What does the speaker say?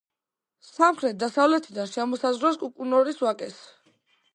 სამხრეთ-დასავლეთიდან შემოსაზღვრავს კუკუნორის ვაკეს.